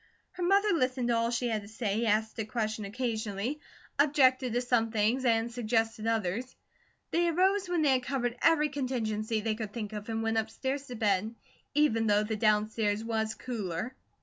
Her mother listened to all she had to say, asked a question occasionally, objected to some things, and suggested others. They arose when they had covered every contingency they could think of and went upstairs to bed, even though the downstairs was cooler.